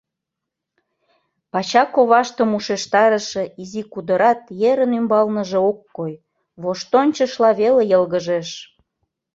Пача коваштым ушештарыше изи кудырат ерын ӱмбалныже ок кой, воштончышла веле йылгыжеш.